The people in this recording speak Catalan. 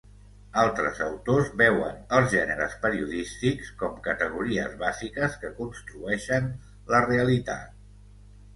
Altres autors veuen els gèneres periodístics com categories bàsiques que construeixen la realitat.